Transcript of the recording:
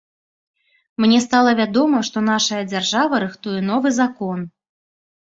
Мне стала вядома, што нашая дзяржава рыхтуе новы закон.